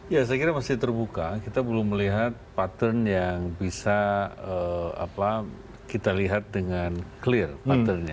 ya saya kira masih terbuka kita belum melihat pattern yang bisa kita lihat dengan clear patternnya